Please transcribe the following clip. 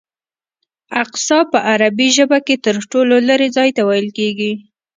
اقصی په عربي ژبه کې تر ټولو لرې ځای ته ویل کېږي.